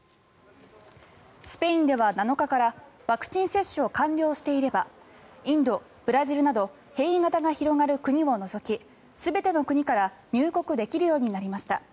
スペインでは７日からワクチン接種を完了していればインド、ブラジルなど変異型が広がる国を除き全ての国から入国できるようになりました。